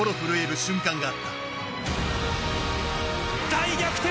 大逆転！